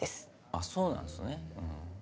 あっそうなんすね。